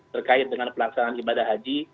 terkait dengan pelaksanaan ibadah haji